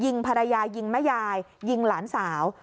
ภรรยายิงแม่ยายยิงหลานสาว